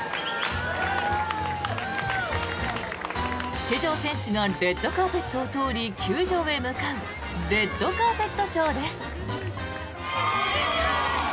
出場選手がレッドカーペットを通り球場へ向かうレッドカーペットショーです。